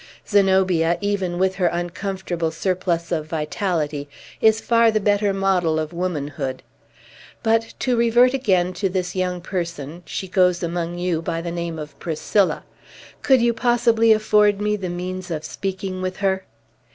Zenobia, even with her uncomfortable surplus of vitality, is far the better model of womanhood. But to revert again to this young person she goes among you by the name of Priscilla. Could you possibly afford me the means of speaking with her?"